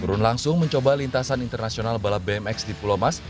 berun langsung mencoba lintasan internasional balap bmx di pulomas